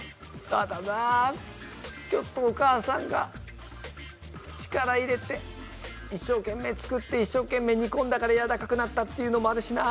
ただなあちょっとお母さんが力入れて一生懸命作って一生懸命にこんだからやわらかくなったっていうのもあるしな。